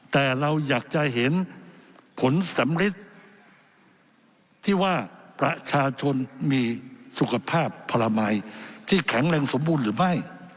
แต่เราอยากจะเห็นผลสำริดที่ว่าประชาชนมีสุขภาพพลมัยที่แข็งแรงสมบูรณ์หรือไม่